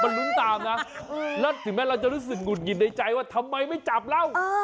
มันลุ้นตามนะแล้วถึงแม้เราจะรู้สึกหงุดหงิดในใจว่าทำไมไม่จับเรา